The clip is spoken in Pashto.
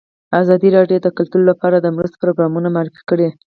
ازادي راډیو د کلتور لپاره د مرستو پروګرامونه معرفي کړي.